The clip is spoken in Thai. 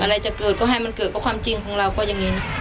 อะไรจะเกิดก็ให้มันเกิดก็ความจริงของเราก็อย่างนี้นะ